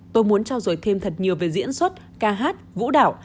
tôi muốn trao dồi thêm thật nhiều về diễn xuất ca hát vũ đạo